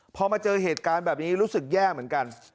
พอมาเจอเหตุการณ์แบบนี้รู้สึกแย่เหมือนกัน